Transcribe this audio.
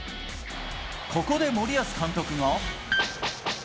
ここで森保監督が。